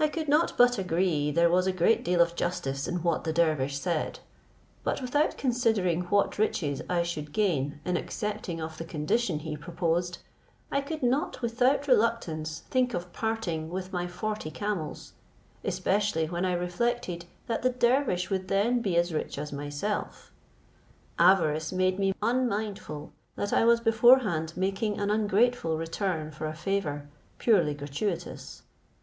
I could not but agree there was a great deal of justice in what the dervish said: but without considering what riches I should gain in accepting of the condition he proposed, I could not without reluctance think of parting with my forty camels, especially when I reflected that the dervish would then be as rich as myself. Avarice made me unmindful that I was beforehand making an ungrateful return for a favour, purely gratuitous.